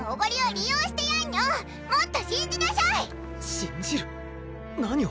信じる？何を？